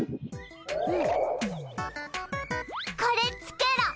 これつけろ。